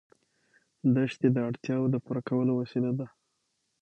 دښتې د اړتیاوو د پوره کولو وسیله ده.